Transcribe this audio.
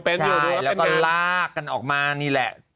แล้วก็ลากกันออกมานี่แหละ